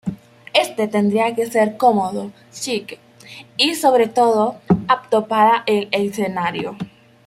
Éste tendría que ser cómodo, chic y sobre todo, apto para el escenario.